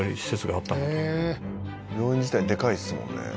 「病院自体でかいですもんね」